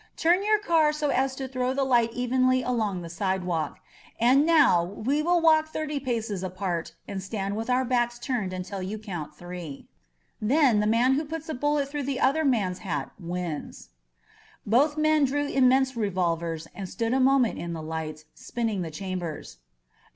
^fTum your car so as to throw the K^t evenly along the side walk. ... And now we will walk thirty paces apart and stand with our backs turned until you count three. 164 DUELLO A LA FRIGADA Then the man who first puts a bullet through the other man's hat wins. ..." Both men drew immense revolvers and stood a mo* ment in the light, spinning the chambers.